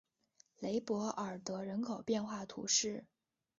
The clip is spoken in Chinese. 雷博尔德人口变化图示